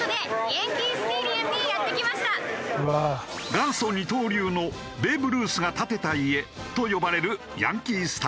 元祖二刀流の「ベーブ・ルースが建てた家」と呼ばれるヤンキースタジアム。